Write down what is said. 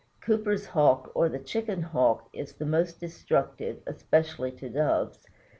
Cooper's Hawk, or the Chicken Hawk, is the most destructive, especially to Doves.